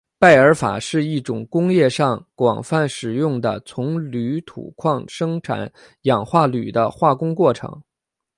拜耳法是一种工业上广泛使用的从铝土矿生产氧化铝的化工过程。